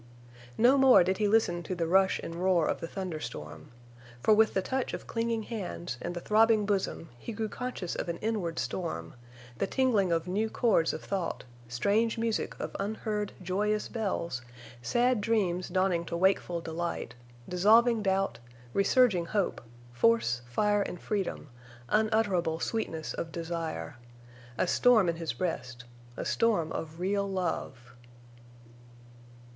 No more did he listen to the rush and roar of the thunder storm. For with the touch of clinging hands and the throbbing bosom he grew conscious of an inward storm—the tingling of new chords of thought, strange music of unheard, joyous bells, sad dreams dawning to wakeful delight, dissolving doubt, resurging hope, force, fire, and freedom, unutterable sweetness of desire. A storm in his breast—a storm of real love.